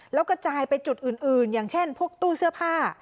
แล้วกระจายไปจุดอื่นอย่างเช่นพวกตู้เสื้อผ้า